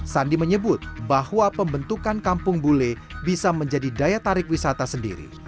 sandi menyebut bahwa pembentukan kampung bule bisa menjadi daya tarik wisata sendiri